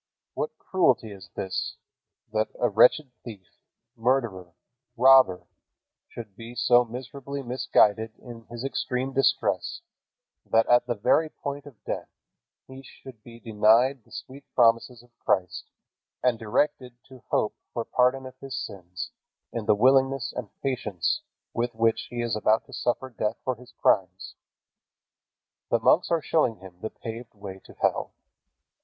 What cruelty is this, that a wretched thief, murderer, robber should be so miserably misguided in his extreme distress, that at the very point of death he should be denied the sweet promises of Christ, and directed to hope for pardon of his sins in the willingness and patience with which he is about to suffer death for his crimes? The monks are showing him the paved way to hell.